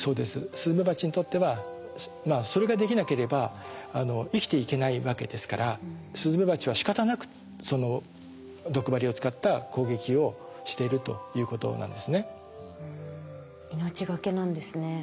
スズメバチにとってはそれができなければ生きていけないわけですからスズメバチはしかたなく毒針を使った攻撃をしているということなんですね。